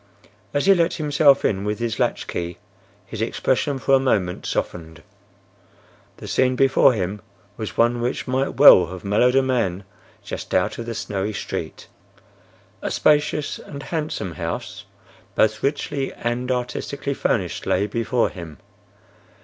As he let himself in with his latch key his expression for a moment softened. The scene before him was one which might well have mellowed a man just out of the snowy street. A spacious and handsome house, both richly and artistically furnished, lay before him.